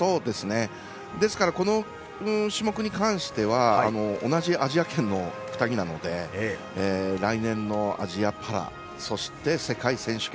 ですからこの種目に関しては同じアジア圏の２人なので、来年のアジアパラそして、世界選手権。